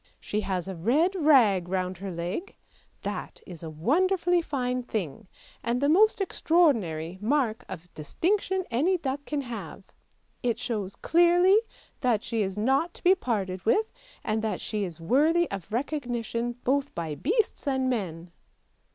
she has a red rag round her leg; that is a wonderfully fine thing, and the most extraordinary mark of distinction any duck can have. It shows clearly that she is not to be parted with, and that she is worthy of recognition both by beasts and men!